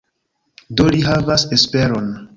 Do li havas esperon.